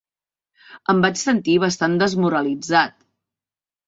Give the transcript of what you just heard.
Em vaig sentir bastant desmoralitzat.